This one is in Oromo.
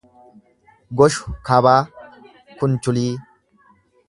Goshu Kabaa Kunchulii